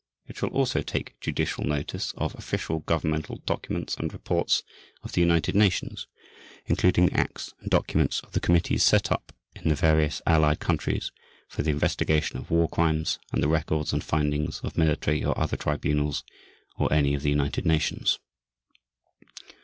It shall also take judicial notice of official governmental documents and reports of the United Nations, including the acts and documents of the committees set up in the various Allied countries for the investigation of war crimes, and the records and findings of military or other Tribunals of any of the United Nations.